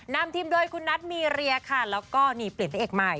นำทีมโดยคุณนัทมีเรียค่ะแล้วก็นี่เปลี่ยนพระเอกใหม่